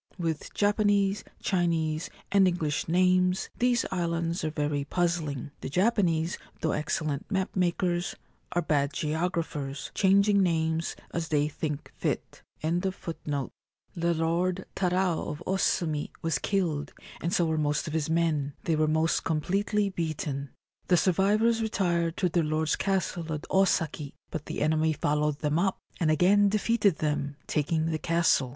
With Japanese, Chinese, and English names, these islands are very puzzling. The Japanese, though excellent map makers, are bad geographers, changing names as they think fit. 168 KUME SLAYS THE EAGLE, TORIJIMA The King of Torijima The Lord Tarao of Osumi was killed, and so were most of his men. They were most completely beaten. The survivors retired to their lord's castle at Osaki ; but the enemy followed them up, and again defeated them, taking the castle.